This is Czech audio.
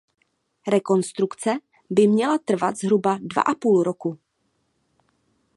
Rekonstrukce by měla trvat zhruba dva a půl roku.